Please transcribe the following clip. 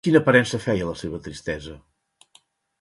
Quina aparença feia la seva tristesa?